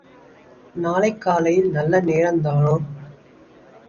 நாளைக் காலையில் நல்ல நேரந்தானோ?